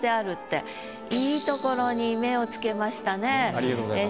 ありがとうございます。